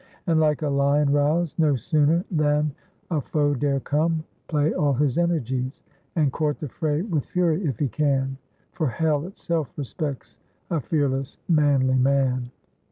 And, like a lion roused, no sooner than A foe dare come, play all his energies, And court the fray with fury if he can; For hell itself respects a fearless, manly man."